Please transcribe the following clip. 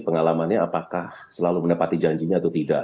pengalaman ini apakah selalu mendapati janjinya atau tidak